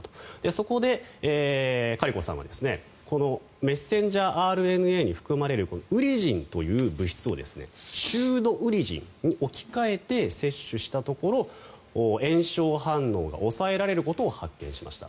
そこでカリコさんはこのメッセンジャーＲＮＡに含まれるウリジンという物質をシュードウリジンに置き換えて接種したところ炎症反応が抑えられることを発見しました。